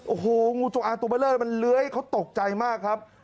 โอ้โฮงูจงอาจตัวเมล็ดมันเล้ยเขาตกใจมากครับ